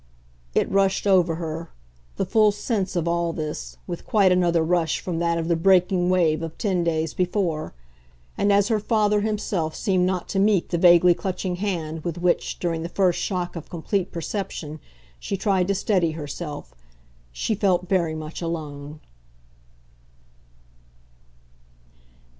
It rushed over her, the full sense of all this, with quite another rush from that of the breaking wave of ten days before; and as her father himself seemed not to meet the vaguely clutching hand with which, during the first shock of complete perception, she tried to steady herself, she felt very much alone.